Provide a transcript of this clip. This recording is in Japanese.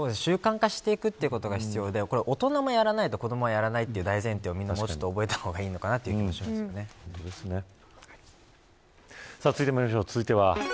習慣化していくことが必要で大人もやらないと子どもがやらないという大前提をみんな覚えた方がいいと続いてまいりましょう。